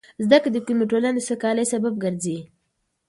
زده کړه د کومې ټولنې د سوکالۍ سبب ګرځي.